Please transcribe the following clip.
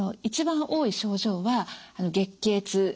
一番多い症状は月経痛。